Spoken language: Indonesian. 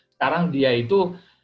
sekarang dia itu